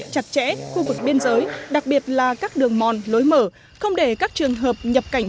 chặt chẽ khu vực biên giới đặc biệt là các đường mòn lối mở không để các trường hợp nhập cảnh